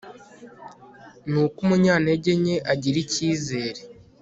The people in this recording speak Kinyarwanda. ni uko umunyantege nke agira icyizere